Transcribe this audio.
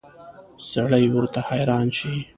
سړی ورته حیران شي.